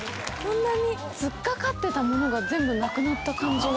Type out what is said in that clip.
突っ掛かってたものが全部なくなった感じが。